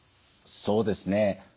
そうですね。